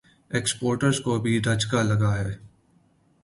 exporter ز کو بھی دھچکا لگا ہے